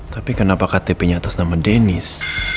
tapi kenapa ktp nya atas nama denis